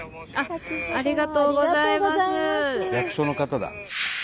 役所の方だ。